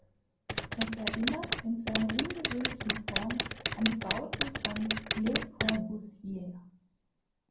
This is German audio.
Es erinnert in seiner ungewöhnlichen Form an die Bauten von Le Corbusier.